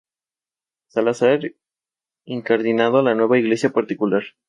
Serán sus descendientes quienes volverán, pero muchos siglos más adelante.